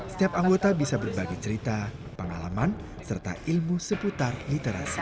setiap anggota bisa berbagi cerita pengalaman serta ilmu seputar literasi